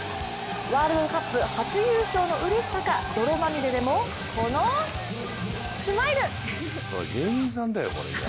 ワールドカップ初優勝のうれしさか、泥まみれでもこのスマイル！